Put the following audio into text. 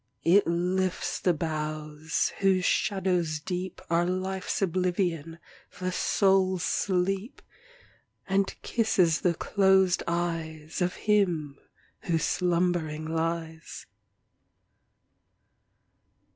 It lifts the boughs, whose shadows deep Are Life's oblivion, the soul's sleep, And kisses the closed eyes Of him, who slumbering lies.